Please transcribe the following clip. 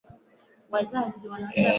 Roho zinakataa katakata